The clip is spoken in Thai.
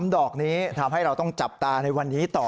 ดอกนี้ทำให้เราต้องจับตาในวันนี้ต่อ